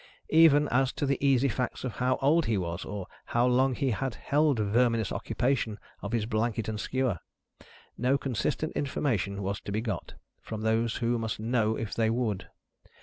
Even, as to the easy facts of how old he was, or how long he had held verminous occupation of his blanket and skewer, no consistent information was to be got, from those who must know if they would.